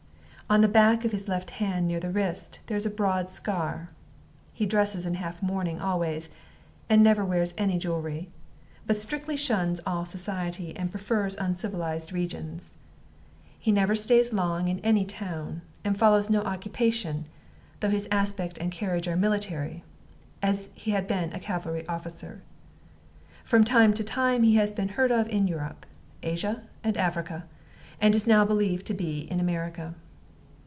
On the back of his left hand, near the wrist, there is a broad scar. He dresses in half mourning always, and never wears any jewelry, but strictly shuns all society, and prefers uncivilized regions. He never stays long in any town, and follows no occupation, though his aspect and carriage are military, as he has been a cavalry officer. From time to time he has been heard of in Europe, Asia, and Africa, and is now believed to be in America.